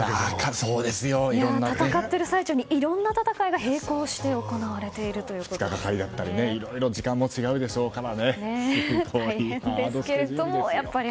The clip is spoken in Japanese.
戦っている最中にいろんな戦いが並行して２日がかりだったりいろいろ時間も違うでしょうから。